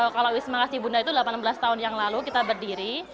kalau wisma kasih bunda itu delapan belas tahun yang lalu kita berdiri